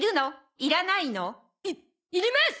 いいります！